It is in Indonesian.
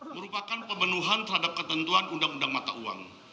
merupakan pemenuhan terhadap ketentuan undang undang mata uang